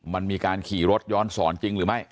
มันมีการขี่รถย้อนสอนจริงหรือไม่